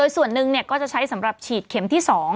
ส่วนนึงจะใช้ให้ฉีดเข็มที่๒